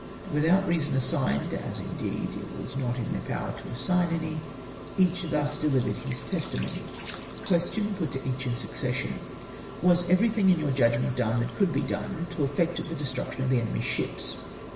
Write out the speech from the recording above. Without reason assigned — ATTEMPT TO WEAKEN CAPT. SEYMOUR'S EVIL)I':XCE. 67 as indeed it was not in their power to assign any — each thus deUvered his testimony. Question (put to each in succession). —" Was everything in yonr judgment done that could be done, to effect the de struction of the enemy's ships